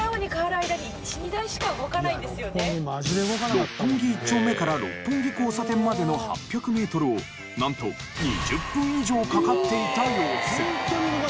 六本木一丁目から六本木交差点までの８００メートルをなんと２０分以上かかっていた様子。